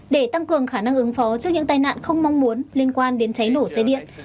để tăng cường khả năng ứng phó trước những tai nạn không mong muốn liên quan đến cháy nổ xe điện